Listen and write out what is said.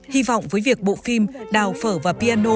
hy vọng với việc bộ phim đào phở và piano